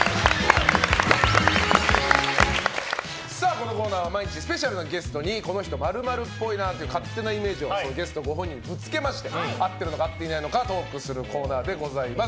このコーナーは毎日スペシャルなゲストにこの人○○っぽいなという勝手なイメージをゲストご本人にぶつけまして合っているのか合っていないのかトークするコーナーでございます。